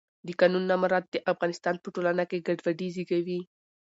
د قانون نه مراعت د افغانستان په ټولنه کې ګډوډي زیږوي